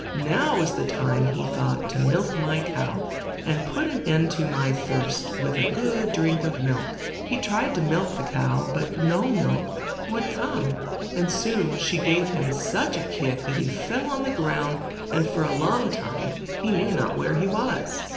"Now is the time," he thought, "to milk my cow, and put an end to my thirst with a good drink of milk." He tried to milk the cow, but no milk would come, and THE HORSE THROWS HANS INTO THE DITCH AND STARTS TO RUN. soon she gave him such a kick that he fell on the ground, and for a long time knew not where he was.